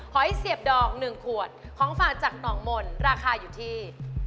หอยเสียบดอก๑ขวดของฝากจากหนองมนต์ราคาอยู่ที่